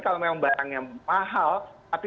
kalau memang barangnya mahal tapi